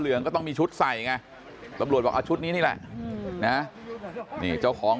ก็ต้องมีชุดใส่ไงตำรวจบอกเอาชุดนี้นี่แหละนะนี่เจ้าของ